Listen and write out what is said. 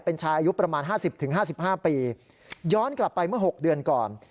เป็นชายอายุประมาณห้าสิบถึงห้าสิบห้าปีย้อนกลับไปเมื่อหกเดือนก่อน